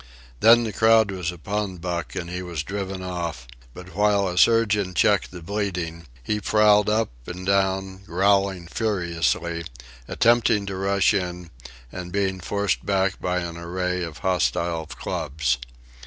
Then the crowd was upon Buck, and he was driven off; but while a surgeon checked the bleeding, he prowled up and down, growling furiously, attempting to rush in, and being forced back by an array of hostile clubs.